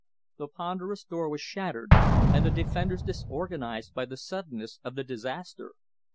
The ponderous door was shattered and the defenders disorganised by the suddenness of the disaster.